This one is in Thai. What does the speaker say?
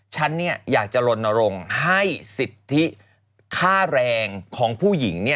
ฉันอยากจะลนรงค์ให้สิทธิค่าแรงของผู้หญิง